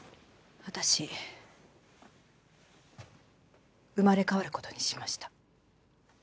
私生まれ変わる事にしました。